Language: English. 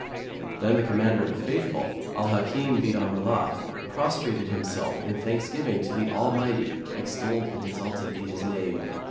Then the Commander of the Faithful, Al Hakim bi Amri'llah prostrated himself in thanksgiving to the Almighty (extolled and exalted be His name!)